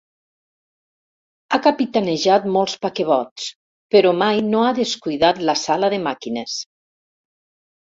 Ha capitanejat molts paquebots, però mai no ha descuidat la sala de màquines.